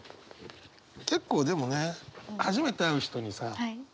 結構でもね初めて会う人にさ聞くもんね。